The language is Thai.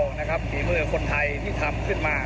ฝีมือคนไทยที่ทำขึ้นมา